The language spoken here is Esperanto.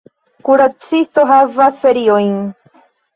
Kuracisto havos feriojn.